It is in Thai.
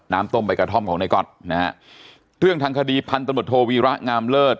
ต้มใบกระท่อมของในก๊อตนะฮะเรื่องทางคดีพันธมตโทวีระงามเลิศ